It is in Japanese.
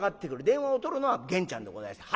電話をとるのはゲンちゃんでございまして。